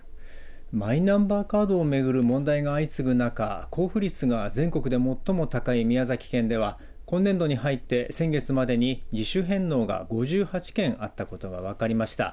マイナンバーカードを巡る問題が相次ぐ中交付率が全国で最も高い宮崎県では今年度に入って先月までに自主返納が５８件あったことが分かりました。